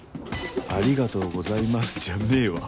「ありがとうございます」じゃねえわ